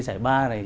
sải ba này